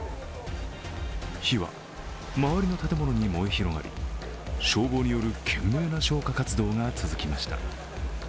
火は周りの建物に燃え広がり、消防による懸命な消火活動が続きました。